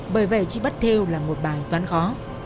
bởi vậy truy bắt thêu là một bài toán khó